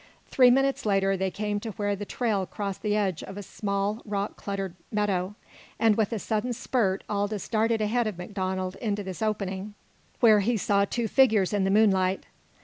Three minutes later they came to where the trail crossed the edge of a small rock cluttered meadow, and with a sudden spurt Aldous darted ahead of MacDonald into this opening, where he saw two figures in the moonlight.